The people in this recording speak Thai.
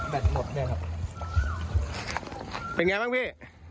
เป็นอย่างไรบ้างพี่